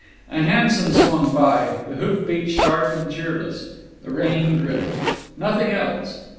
A hansom swung by, the hoofbeats sharp and cheerless. The rain dripped. Nothing else.